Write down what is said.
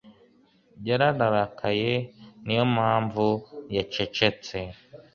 Yararakaye. Niyo mpamvu yacecetse.